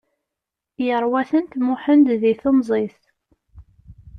Yerwa-tent Muḥend di temẓi-s.